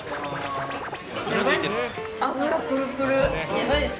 やばいっす。